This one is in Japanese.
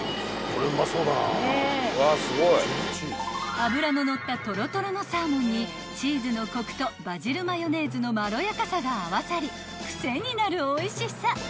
［脂の乗ったとろとろのサーモンにチーズのコクとバジルマヨネーズのまろやかさが合わさり癖になるおいしさ］